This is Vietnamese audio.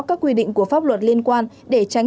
các quy định của pháp luật liên quan để tránh